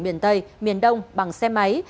miền tây miền đông bằng xe máy